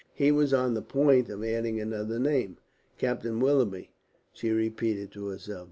He was on the point of adding another name. "Captain Willoughby," she repeated to herself.